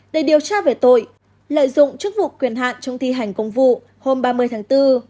để điều tra về tội lợi dụng chức vụ quyền hạn trong thi hành công vụ hôm ba mươi tháng bốn